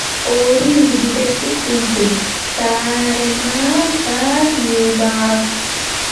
ორი უდიდესი კუნძულით: საარემაა და ჰიიუმაა.